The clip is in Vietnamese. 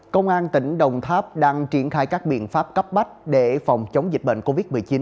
công an tỉnh đồng tháp đang triển khai các biện pháp cấp bách để phòng chống dịch bệnh covid một mươi chín